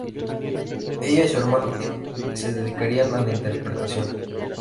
Ella y su hermano Tim se dedicarían a la interpretación.